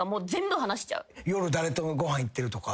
夜誰とご飯行ってるとか。